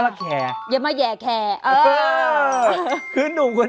เล่นทำแขกก่อแหย่จรเค่